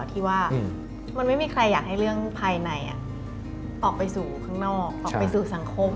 ที่ว่ามันไม่มีใครอยากให้เรื่องภายในออกไปสู่สังคม